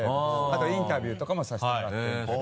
インタビューとかもさせてもらってみたいな。